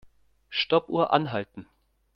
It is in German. Stoppuhr anhalten.